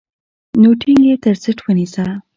نو ټينګ يې تر څټ ونيسه.